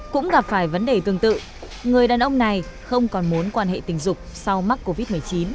cũng gặp phải vấn đề tương tự người đàn ông này không còn mối quan hệ tình dục sau mắc covid một mươi chín